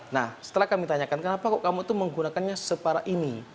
nah setelah kami tanyakan kenapa kok kamu itu menggunakannya separah ini